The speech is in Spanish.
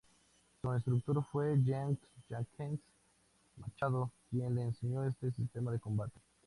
Su instructor fue Jean Jacques Machado quien le enseño este sistema de combate.